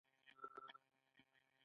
د مور مینه یوه طبیعي غريزه ده.